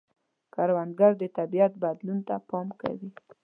کروندګر د طبیعت بدلون ته پام کوي